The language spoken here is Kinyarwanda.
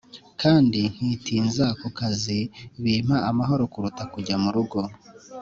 kandi nkitinza ku kazi Bimpa amahoro kuruta kujya mu rugo